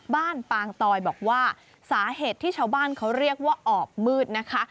ปางตอยบอกว่าสาเหตุที่ชาวบ้านเขาเรียกว่าออบมืดนะคะ